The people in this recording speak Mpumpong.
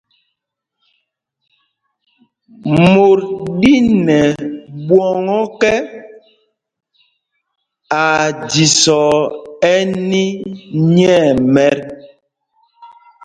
Mot ɗí nɛ ɓwɔŋ ɔ́kɛ, aa jīsɔɔ ɛni nyɛɛmɛt.